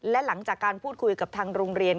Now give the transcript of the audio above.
และหลังจากการพูดคุยกับทางโรงเรียน